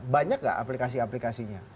banyak nggak aplikasi aplikasinya